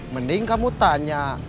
mending kamu tanya